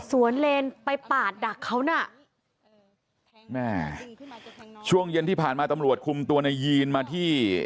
เลนไปปาดดักเขาน่ะแม่ช่วงเย็นที่ผ่านมาตำรวจคุมตัวในยีนมาที่